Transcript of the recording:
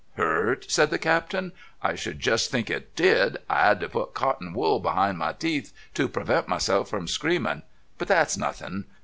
"Hurt!" said the Captain. "I should just think it did. I 'ad to put cotton wool behind my teeth to prevent myself from screaming. But that's nothing.